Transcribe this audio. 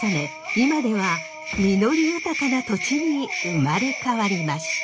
今では実り豊かな土地に生まれ変わりました。